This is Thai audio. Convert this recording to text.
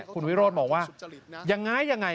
คุณวิโรธบอกว่าอย่างง่ายยังไง